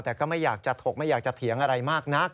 แต่ก็ไม่อยากจะถกไม่อยากจะเถียงอะไรมากนัก